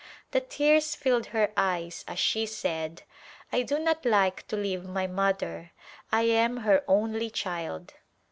The tears filled her eyes as she said, " I do not like to leave my mother, I am her only child."